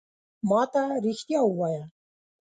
ما ته رېښتیا ووایه !